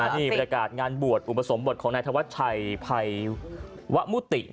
นี่บรรยากาศงานบวชอุปสมบทของนายธวัชชัยภัยวะมุติ